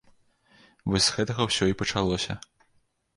Вось з гэтага ўсё і пачалося.